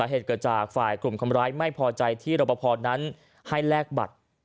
เหตุเกิดจากฝ่ายกลุ่มคนร้ายไม่พอใจที่รบพอนั้นให้แลกบัตร